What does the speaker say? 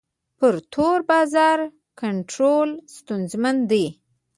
پر تور بازار کنټرول ستونزمن دی.